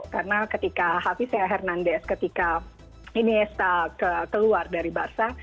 karena ketika javier fernandez ketika iniesta keluar dari barca